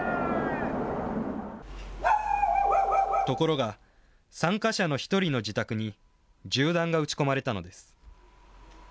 ところが、参加者の１人の自宅に銃弾が撃ち込まれたのです。